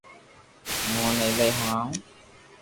ھون اوني ھلاوُ ھون